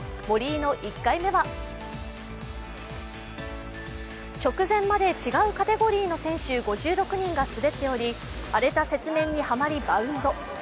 森井の１回目は直前まで違うカテゴリーの選手５６人が滑っており荒れた雪面にはまり、バウンド。